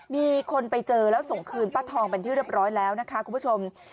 มีคนไปเจอแล้วส่งคืนป้าทองเป็นที่เรียบร้อยแล้วนะคะคุณผู้ชม